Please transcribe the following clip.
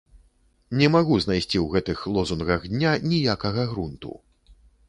Не магу знайсці ў гэтых лозунгах дня ніякага грунту!